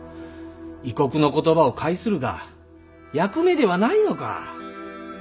異国の言葉を解するが役目ではないのか？